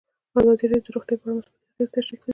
ازادي راډیو د روغتیا په اړه مثبت اغېزې تشریح کړي.